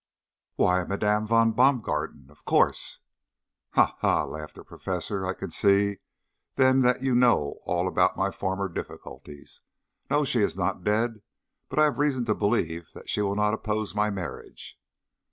"Why, Madame von Baumgarten, of course." "Ha, ha!" laughed the Professor; "I can see, then, that you know all about my former difficulties. No, she is not dead, but I have reason to believe that she will not oppose my marriage."